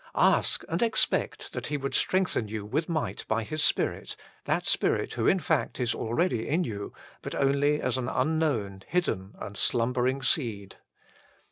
Ask and expect that He would strengthen you with might by His Spirit, that Spirit who in fact is already in 126 THE FULL BLESSING OF PENTECOST you, but only as an unknown, hidden, and slumbering seed.